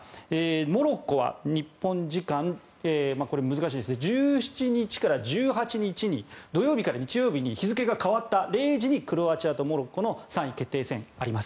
モロッコは日本時間難しいですけど１７日から１８日に土曜日から日曜日に日付が変わった０時にクロアチアとモロッコの３位決定戦があります。